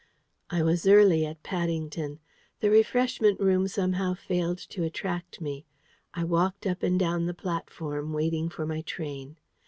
I was early at Paddington. The refreshment room somehow failed to attract me. I walked up and down the platform, waiting for my train.